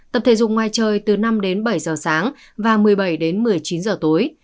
tập thể dùng ngoài trời từ năm đến bảy giờ sáng và một mươi bảy đến một mươi chín giờ tối